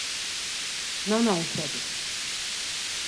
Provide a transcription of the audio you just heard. Nana uxodi!